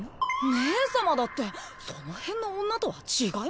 姉様だってその辺の女とは違います！